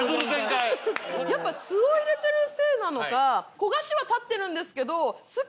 やっぱ酢を入れてるせいなのか焦がしは立ってるんですけどスッキリとはしてるんで。